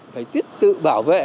phải tiếp tự bảo vệ